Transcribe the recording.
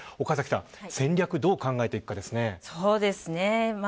岡崎さん戦略をどう考えていくかですね。